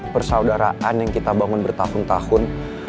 persaudaraan yang kita bangun bertahun tahun